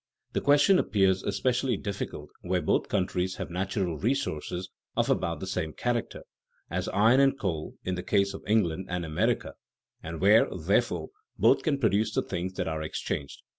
The question appears especially difficult where both countries have natural resources of about the same character (as iron and coal in the case of England and America), and where, therefore, both can produce the things that are exchanged.